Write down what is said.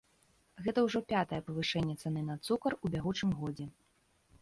Гэта ўжо пятае павышэнне цаны на цукар у бягучым годзе.